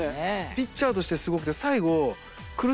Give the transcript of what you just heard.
ピッチャーとしてすごくて。